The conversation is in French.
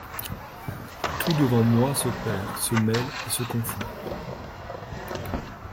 Tout devant moi se perd, se mêle et se confond.